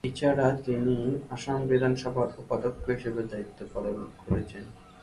এছাড়া, তিনি আসাম বিধানসভার উপাধ্যক্ষ হিসেবেও দায়িত্ব পালন করেছেন।